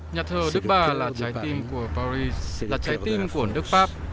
nhà thờ đức bà là trái tim của paris là trái tim của nước pháp